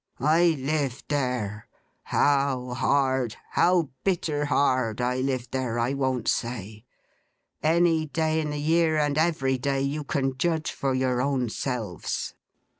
I lived there. How hard—how bitter hard, I lived there, I won't say. Any day in the year, and every day, you can judge for your own selves.